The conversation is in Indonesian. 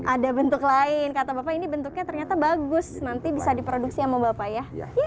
ada bentuk lain kata bapak ini bentuknya ternyata bagus nanti bisa diproduksi sama bapak ya